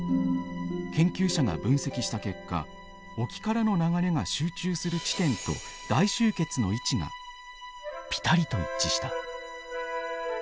研究者が分析した結果沖からの流れが集中する地点と大集結の位置がピタリと一致した。